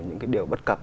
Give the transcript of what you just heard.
những cái điều bất cập